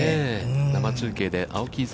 生中継で、青木功